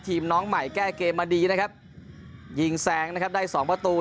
น้องใหม่แก้เกมมาดีนะครับยิงแซงนะครับได้สองประตู